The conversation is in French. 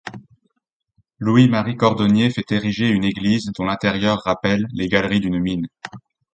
Louis Marie Cordonnier fait ériger une église dont l'intérieur rappelle les galeries d'une mine.